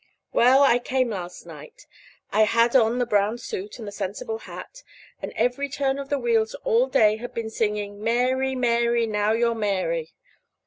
Well, I came last night. I had on the brown suit and the sensible hat, and every turn of the wheels all day had been singing: "Mary, Mary, now you're Mary!"